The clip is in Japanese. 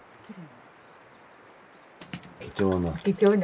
貴重な。